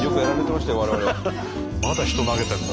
まだ人投げてるんだ。